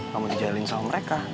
kamu dijalin sama mereka